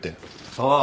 そう。